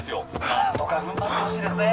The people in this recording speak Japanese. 何とか踏ん張ってほしいですね